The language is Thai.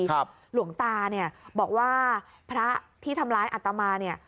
หลวงตาเนี่ยบอกว่าพระที่ทำร้ายอัตมาเนี่ย